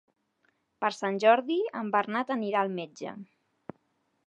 Per Sant Jordi en Bernat anirà al metge.